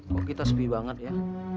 kok kita sepi banget ya